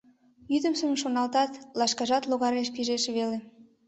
Йӱдымсым шоналтат, лашкажат логареш пижеш веле...